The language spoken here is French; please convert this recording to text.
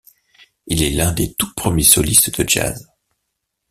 Il est l'un des tout premiers solistes de jazz.